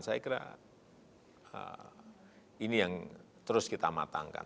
saya kira ini yang terus kita matangkan